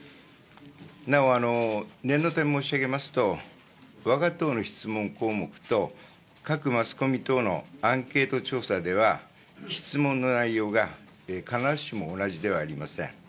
なお、念のため申し上げますと、わが党の質問項目と、各マスコミ等のアンケート調査では、質問の内容が必ずしも同じではありません。